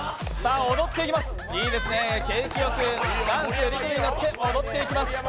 踊っていきます、いいですね、景気よくリズムに乗って踊っていきます。